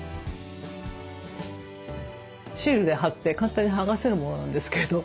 シールで貼って簡単に剥がせるものなんですけれど。